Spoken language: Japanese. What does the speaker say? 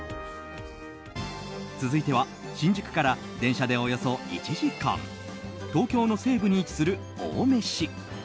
続いては新宿から電車でおよそ１時間東京の西部に位置する青梅市。